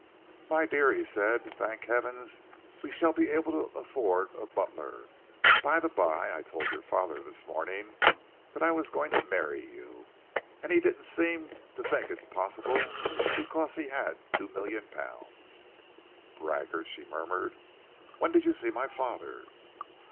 "My dear," he said, "thank heavens we shall be able to afford a butler! By the bye, I told your father this morning that I was going to marry you, and he didn't seem to think it possible because he had two million pounds." "Braggart!" she murmured. "When did you see my father?"